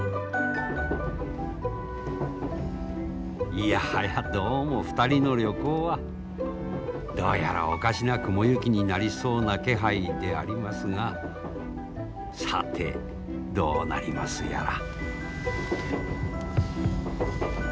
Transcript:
いやはやどうも２人の旅行はどうやらおかしな雲行きになりそうな気配でありますがさてどうなりますやら。